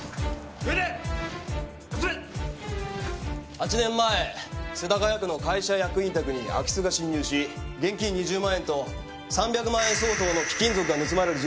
８年前世田谷区の会社役員宅に空き巣が侵入し現金２０万円と３００万円相当の貴金属が盗まれる事件が発生した。